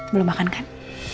belum makan kan